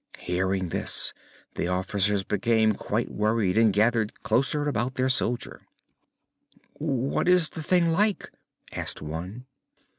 Hearing this, the officers became quite worried and gathered closer about their soldier. "What is the thing like?" asked one.